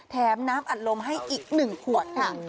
แถมน้ำอัดลมให้อีก๑ขวดค่ะ